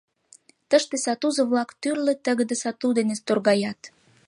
Тыште сатузо-влак тӱрлӧ тыгыде сату дене торгаят.